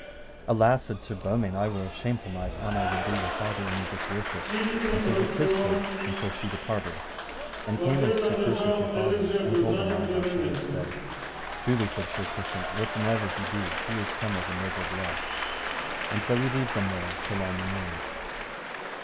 Alas, said Sir Beaumains, I were a shameful knight an I would do your father any disworship; and so he kissed her, and so she departed and came unto Sir Persant her father, and told him all how she had sped. Truly, said Sir Persant, whatsomever he be, he is come of a noble blood. And so we leave them there till on the morn.